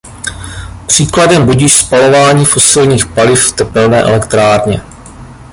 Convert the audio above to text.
Příkladem budiž spalování fosilních paliv v tepelné elektrárně.